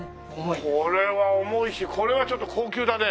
これは重いしこれはちょっと高級だね。